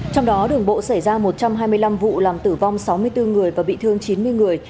trong đó đường bộ xảy ra một trăm hai mươi năm vụ làm tử vong sáu mươi bốn người và bị thương chín mươi người